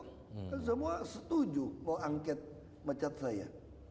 kan semua setuju mau angket mecat saya